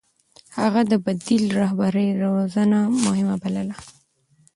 هغه د بديل رهبرۍ روزنه مهمه بلله.